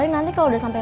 tidak ada apa apa